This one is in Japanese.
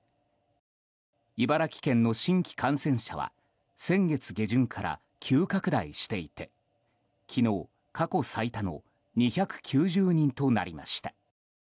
茨城県の新規感染者は先月下旬から急拡大していて昨日、過去最多の２９０人となりました。